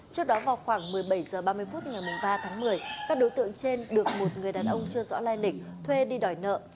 trước đó vào khoảng một mươi bảy h ba mươi phút ngày ba tháng một mươi các đối tượng trên được một người đàn ông chưa rõ lai lịch thuê đi đòi nợ